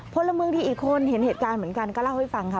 พลเมืองดีอีกคนเห็นเหตุการณ์เหมือนกันก็เล่าให้ฟังค่ะ